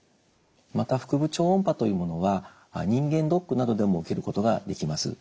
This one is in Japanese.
また腹部超音波というものは人間ドックなどでも受けることができます。